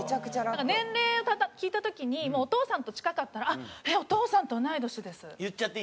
年齢聞いた時にお父さんと近かったら「お父さんと同い年です」って言っちゃうと。